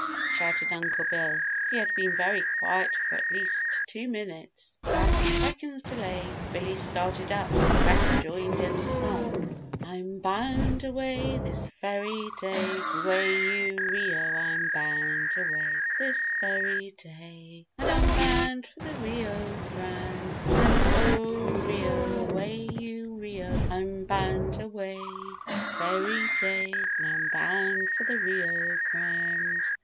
shouted Uncle Bill, for he had been very quiet for at least two minutes. Without a second's delay, Billy started up and the rest joined in the song. RIO GRANDE "I'm bound away This very day Away you Rio I'm bound away This very day And I'm bound for the Rio Grande. And oh, Rio, away you Rio, I'm bound away This very day, and I'm bound for the Rio Grande."